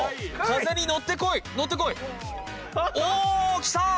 風に乗ってこい乗ってこいおおきたー！